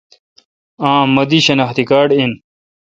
اؘ مہ دی شناختی کارڈ این۔